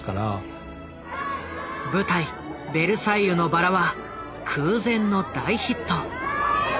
「ベルサイユのばら」は空前の大ヒット。